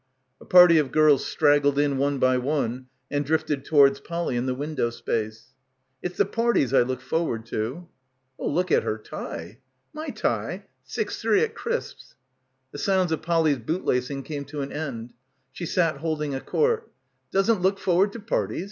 A party of girls straggled in one by one and drifted towards Polly in the window space. "It's the parties I look forward to." — 119 — PILGRIMAGE "Oh, look at her tic !" "My tie ? Six three at Crisp's." The sounds of Polly's bootlacing came to an end. She sat holding a court "Doesn't look forward to parties?